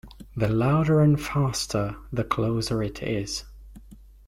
The louder and faster, the closer it is.